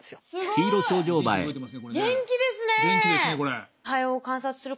元気ですねこれ。